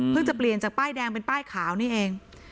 จะเปลี่ยนจากป้ายแดงเป็นป้ายขาวนี่เอง